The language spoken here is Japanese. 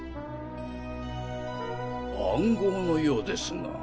暗号のようですが。